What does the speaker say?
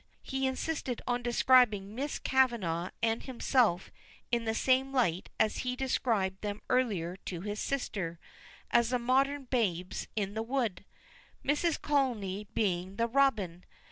He insisted on describing Miss Kavanagh and himself in the same light as he had described them earlier to his sister, as the modern Babes in the Wood, Mrs. Connolly being the Robin.